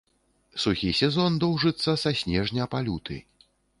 Сухі сезон доўжыцца са снежня па люты.